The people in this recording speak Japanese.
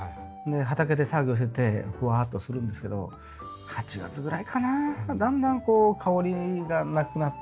で畑で作業しててふわっとするんですけど８月ぐらいかなだんだんこう香りがなくなってきたんですよね。